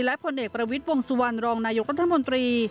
และผลเอกประวิทย์วงสุวรรณรองนายกรัฐมนตรี